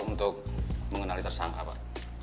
untuk mengenali tersangka pak